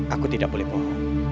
aku tidak boleh bohong